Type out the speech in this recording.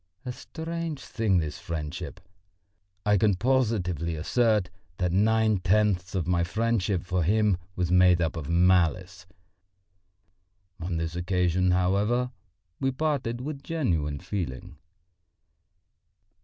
A strange thing, this friendship! I can positively assert that nine tenths of my friendship for him was made up of malice. On this occasion, however, we parted with genuine feeling.